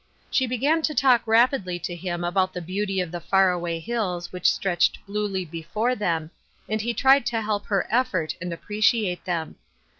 She began to talk rapidly to him about the beauty of the far away hills which stretched bluely before them, and he tried to help her effort and appreciate them.